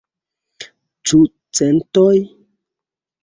Ĉu centoj?